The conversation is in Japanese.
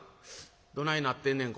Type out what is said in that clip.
「どないなってんねん